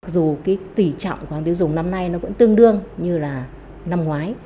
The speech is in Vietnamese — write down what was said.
dù cái tỉ trọng của hàng tiêu dùng năm nay nó cũng tương đương như là năm ngoái